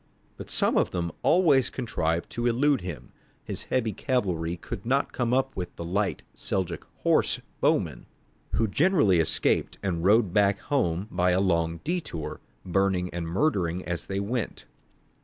But some of them always contrived to elude him; his heavy cavalry could not come up with the light Seljouk horse bowmen, who generally escaped and rode back home by a long detour, burning and murdering as they went.